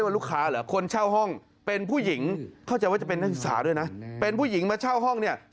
แม่บ้านกูร้องแน่งงานนี้